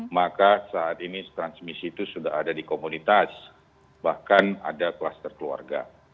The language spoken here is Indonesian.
maka saat ini transmisi itu sudah ada di komunitas bahkan ada kluster keluarga